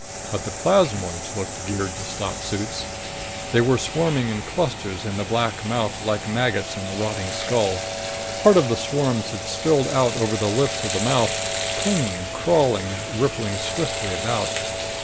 But the plasmoids looked geared to stop suits. They were swarming in clusters in the black mouth like maggots in a rotting skull. Part of the swarms had spilled out over the lips of the mouth, clinging, crawling, rippling swiftly about.